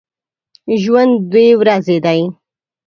ژوند دوې ورځي دی